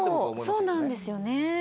そうなんですよね。